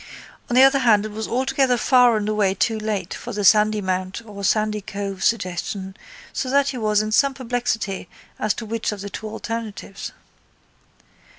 On the other hand it was altogether far and away too late for the Sandymount or Sandycove suggestion so that he was in some perplexity as to which of the two alternatives.